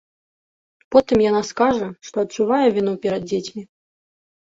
Потым яна скажа, што адчувае віну перад дзецьмі.